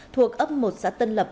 thuộc ấp một xã tân lập